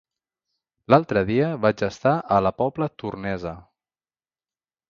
L'altre dia vaig estar a la Pobla Tornesa.